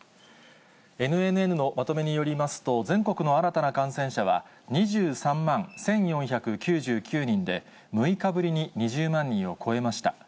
ＮＮＮのまとめによりますと、全国の新たな感染者は、２３万１４９９人で、６日ぶりに２０万人を超えました。